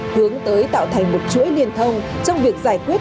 hướng tới tạo thành một chuỗi liên thông trong việc giải quyết